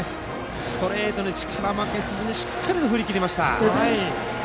ストレートに力負けせずにしっかりと振り切りました。